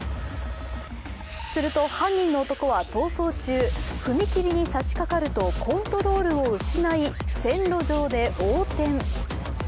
すると犯人の男は逃走中、踏切に差しかかるとコントロールを失い線路上で横転。